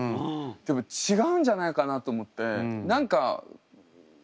でも違うんじゃないかなと思って。